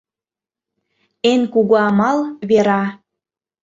Эн кугу амал — вера.